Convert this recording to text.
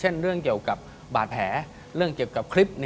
เรื่องเกี่ยวกับบาดแผลเรื่องเกี่ยวกับคลิป